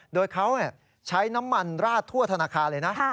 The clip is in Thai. โดยเขาใช้น้ำมันราดทั่วธนาคารเลยนะ